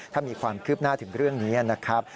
ถ้ามีความคืบหน้าถึงเรื่องนี้นะครับ